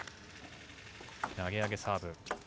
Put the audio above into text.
投げ上げサーブ。